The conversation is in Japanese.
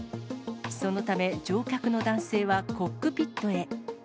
そのため、乗客の男性はコックピットへ。